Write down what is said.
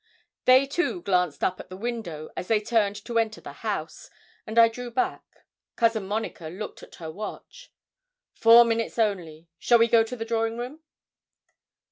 They, too, glanced up at the window as they turned to enter the house, and I drew back. Cousin Monica looked at her watch. 'Four minutes only. Shall we go to the drawing room?'